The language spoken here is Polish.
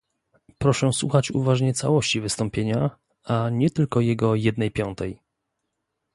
Proszę słuchać uważnie całości wystąpienia, a nie tylko jego jednej piątej